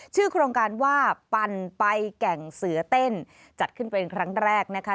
ชื่อโครงการว่าปั่นไปแก่งเสือเต้นจัดขึ้นเป็นครั้งแรกนะคะ